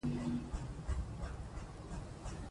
ژوند د ښو اړیکو د ساتلو غوښتنه کوي.